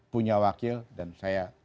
punya wakil dan saya